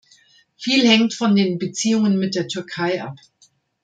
Viel hängt von den Beziehungen mit der Türkei ab.